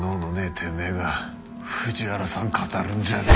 てめえが藤原さん語るんじゃねえ。